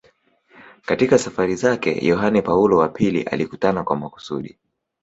Katika safari zake Yohane Paulo wa pili alikutana kwa makusudi